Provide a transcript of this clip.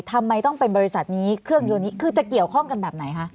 ทำไมต้องเป็นบริษัทนี้เครื่องยนต์นี้คือจะเกี่ยวข้องกันแบบไหนคะ